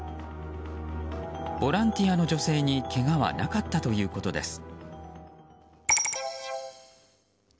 ボランティアの女性にけがはなかったということです。